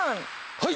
はい！